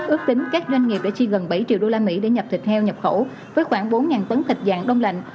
ước tính các doanh nghiệp đã chi gần bảy triệu usd để nhập thịt heo nhập khẩu với khoảng bốn tấn thịt dạng đông lạnh